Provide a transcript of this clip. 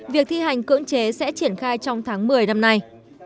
việc thi hành cưỡng chế sẽ triển khai trong tháng một mươi năm nay